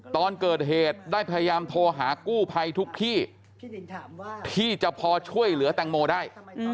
ตอนเกิดเหตุได้พยายามโทรหากู้ภัยทุกที่ที่จะพอช่วยเหลือแตงโมได้